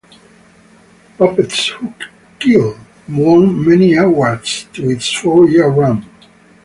"Puppets Who Kill" won many awards in its four-year run.